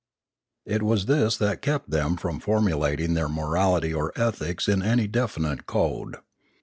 It was this that kept them from formulating their morality or ethics in any definite code.